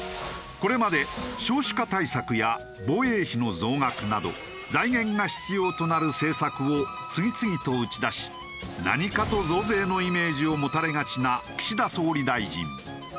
これまで少子化対策や防衛費の増額など財源が必要となる政策を次々と打ち出し何かと増税のイメージを持たれがちな岸田総理大臣。